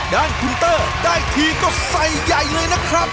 ดังคุณเต้อได้ทีก็ใดใหญ่เลยนะครับ